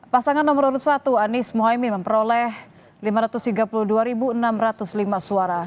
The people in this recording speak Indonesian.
pasangan nomor urut satu anies mohaimin memperoleh lima ratus tiga puluh dua enam ratus lima suara